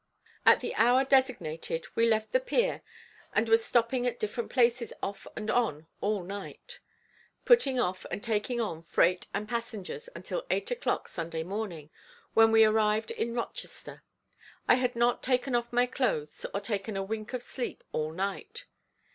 At the hour designated we left the pier and was stopping at different places off and on all night, putting off and taking on freight and passengers until eight o'clock Sunday morning, when we arrived in Rochester. I had not taken off my clothes or taken a wink of sleep all night.